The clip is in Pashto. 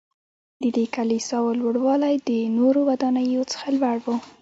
ددې کلیساوو لوړوالی له نورو ودانیو څخه زیات و.